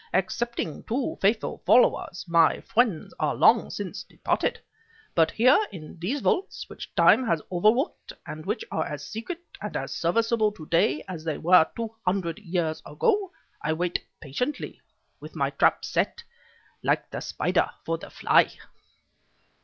Excepting two faithful followers, my friends are long since departed. But here, in these vaults which time has overlooked and which are as secret and as serviceable to day as they were two hundred years ago, I wait patiently, with my trap set, like the spider for the fly!..."